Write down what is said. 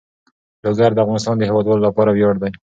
لوگر د افغانستان د هیوادوالو لپاره ویاړ دی.